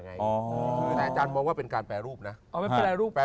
อาจารย์มองว่าเป็นการแปรรูปนะอ่ะ